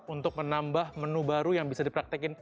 untuk menambah menu baru yang bisa dipraktekin